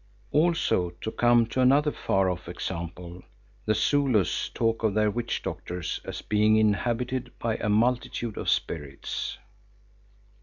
Also, to come to another far off example, the Zulus talk of their witch doctors as being inhabited by "a multitude of spirits."